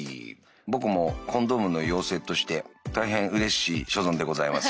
僕もコンドームの妖精として大変うれしい所存でございます。